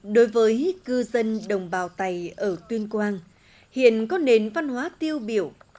đối với cư dân đồng bào tày ở tuyên quang hiện có nền văn hóa tiêu biểu